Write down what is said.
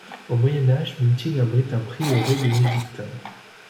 Au Moyen Âge, Minting abrite un prieuré bénédictin.